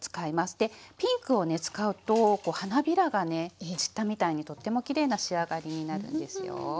でピンクをね使うと花びらがね散ったみたいにとってもきれいな仕上がりになるんですよ。